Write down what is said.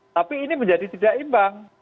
tapi ini menjadi tidak imbang